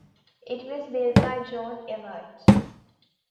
It was built by John Ewart.